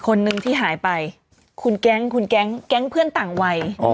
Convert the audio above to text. คนนึงที่หายไปคุณแก๊งคุณแก๊งแก๊งเพื่อนต่างวัย